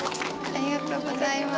おめでとうございます。